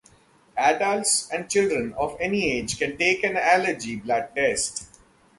Adults and children of any age can take an allergy blood test.